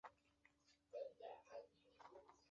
目前隶属于大泽事务所旗下。